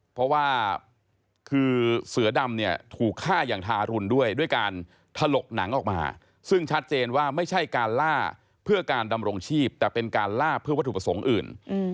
เพราะว่าคือเสือดำเนี่ยถูกฆ่าอย่างทารุณด้วยด้วยการถลกหนังออกมาซึ่งชัดเจนว่าไม่ใช่การล่าเพื่อการดำรงชีพแต่เป็นการล่าเพื่อวัตถุประสงค์อื่น